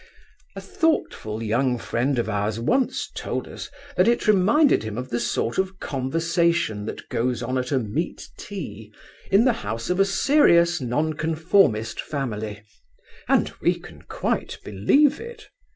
A thoughtful young friend of ours once told us that it reminded him of the sort of conversation that goes on at a meat tea in the house of a serious Nonconformist family, and we can quite believe it.